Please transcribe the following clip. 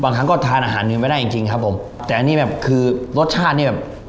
ครั้งก็ทานอาหารอื่นไม่ได้จริงจริงครับผมแต่อันนี้แบบคือรสชาตินี่แบบ